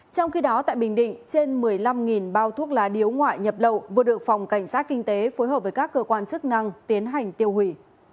trong khi đó tại bình định trên một mươi năm bao thuốc lá điếu ngoại nhập lậu vừa được phòng cảnh sát kinh tế phối hợp với các cơ quan chức năng tiến hành tiêu hủy